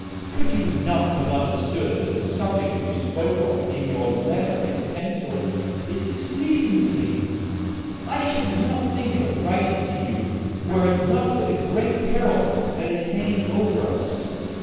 Could you not have understood that the subject you spoke of in your letter in pencil is displeasing to me? I should not think of writing to you were it not for the great peril that is hanging over us.